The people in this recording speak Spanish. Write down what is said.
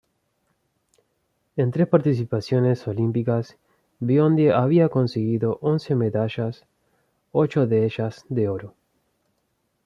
En tres participaciones olímpicas Biondi había conseguido once medallas, ocho de ellas de oro.